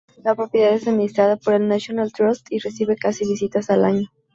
La propiedad es administrada por el "National Trust" y recibe casi visitas al año.